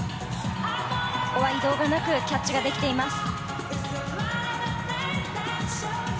ここは移動がなくキャッチができています。